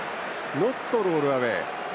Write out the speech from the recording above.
ノットロールアウェイ。